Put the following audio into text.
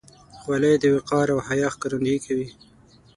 خولۍ د وقار او حیا ښکارندویي کوي.